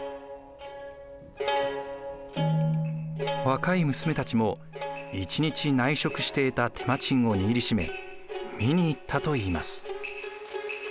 若い娘たちも一日内職して得た手間賃を握りしめ見に行ったといいます。